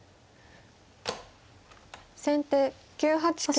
先手９八香。